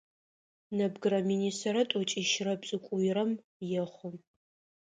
Нэбгырэ минишъэрэ тӏокӏищрэ пшӏыкӏуйрэм ехъу.